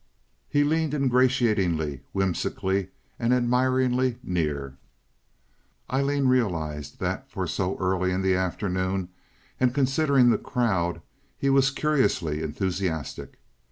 He leaned ingratiatingly, whimsically, admiringly near. Aileen realized that for so early in the afternoon, and considering the crowd, he was curiously enthusiastic.